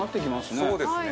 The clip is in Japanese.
齊藤：そうですね。